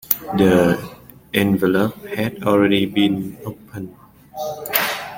The envelope had already been opened.